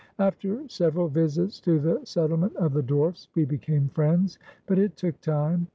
R, After several visits to the settlement of the dwarfs H^we became friends, but it took time.